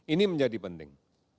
ini menjadi penting